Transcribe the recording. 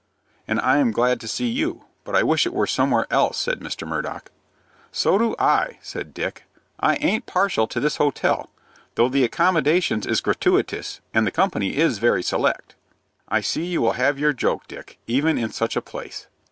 "And I am glad to see you; but I wish it were somewhere else," said Mr. Murdock. "So do I," said Dick. "I aint partial to this hotel, though the accommodations is gratooitous, and the company is very select." "I see you will have your joke, Dick, even in such a place."